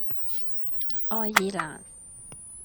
愛爾蘭